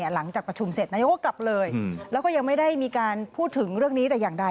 หลังจากประชุมเสร็จนายกก็กลับเลยแล้วก็ยังไม่ได้มีการพูดถึงเรื่องนี้แต่อย่างใด